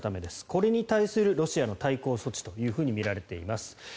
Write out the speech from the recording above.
これに対するロシアの対抗措置というふうに見られています。